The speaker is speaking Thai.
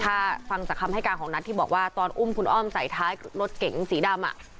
ถ้าฟังจากคำให้การของนัทที่บอกว่าตอนอุ้มคุณอ้อมใส่ท้ายรถเก๋งสีดำ